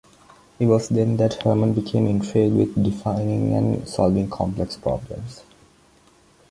It was then that Herman became intrigued with defining and solving complex problems.